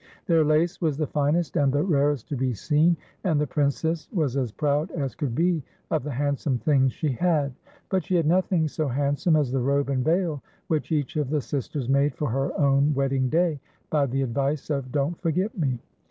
Their lace was the finest and the rarest to be seen, and the Princess was as proud as could be of the handsome things she had ; but she had nothing so handsome as the robe and veil which each of the sisters made for her own wedding day, by the advice of Don't Forget Me.